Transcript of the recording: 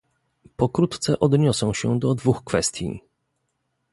Pokrótce odniosę się do dwóch kwestii